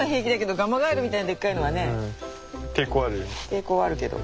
抵抗はあるけど。